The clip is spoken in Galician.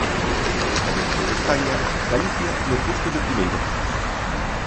E dentro de España, Galicia no posto de primeira.